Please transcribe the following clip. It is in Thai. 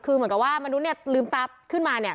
คือเหมือนกับว่ามนุษย์เนี่ยลืมตาขึ้นมาเนี่ย